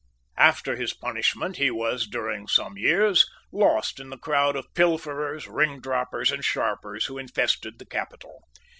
After his punishment, he was, during some years, lost in the crowd of pilferers, ringdroppers and sharpers who infested the capital.